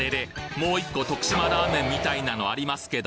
もう１個徳島ラーメンみたいなのありますけど？